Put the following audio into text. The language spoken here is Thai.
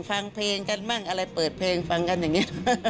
ฟังเพลงกันบ้างอะไรเปิดเพลงฟังกันอย่างนี้